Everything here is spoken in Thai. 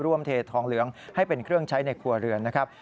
เททองเหลืองให้เป็นเครื่องใช้ในครัวเรือนนะครับ